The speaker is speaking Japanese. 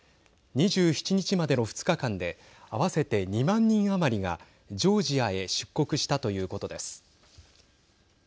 ２７日までの２日間で合わせて２万人余りがジョージアへ出国したということです。